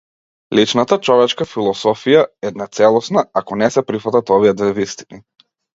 Личната човечка философија е нецелосна, ако не се прифатат овие две вистини.